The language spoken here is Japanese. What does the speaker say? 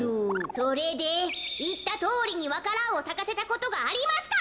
それでいったとおりにわか蘭をさかせたことがありますか？